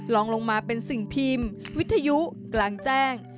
ลองลงมาเป็นสิ่งพิมพ์วิทยุกลางแจ้ง